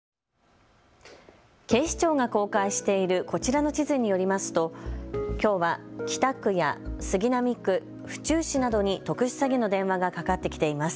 警視庁が公開しているこちらの地図によりますときょうは、北区や杉並区、府中市などに特殊詐欺の電話がかかってきています。